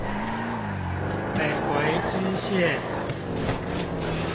北回支線